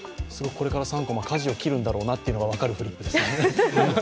これから「３コマ」かじを切るんだろうなというのが分かるフリップですね。